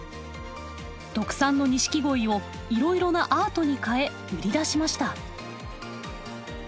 特産の錦鯉をいろいろなアートに変え売り出しました。